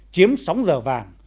chiếm sóng giờ vàng